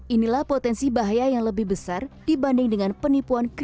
inilah potensi bahaya yang lebih besar dibanding dengan penipuan